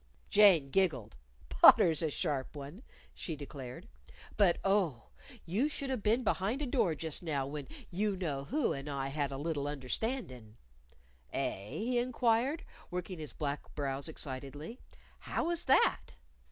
Jane giggled. "Potter's a sharp one," she declared. "But, oh, you should've been behind a door just now when you know who and I had a little understandin'." "Eh?" he inquired, working his black brows excitedly. "How was that?"